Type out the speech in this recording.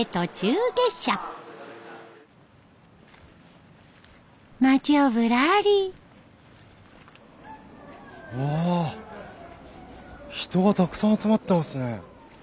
うわ人がたくさん集まってますね。